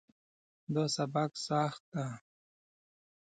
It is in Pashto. دا سبق سخت ده